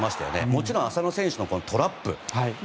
もちろん浅野選手のトラップ。